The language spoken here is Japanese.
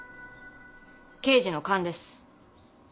刑事の勘です。